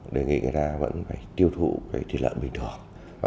đề nghị người ta vẫn phải tiêu thụ thịt lợn bình thường